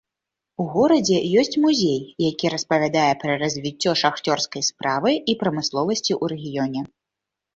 У горадзе ёсць музей, які распавядае пра развіццё шахцёрскай справы і прамысловасці ў рэгіёне.